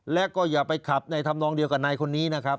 และก็อย่าไปขับในธรรมนองเดียวกับนายคนนี้นะครับ